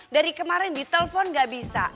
dari kemarin ditelepon gak bisa